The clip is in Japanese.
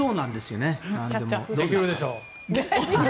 できるでしょう！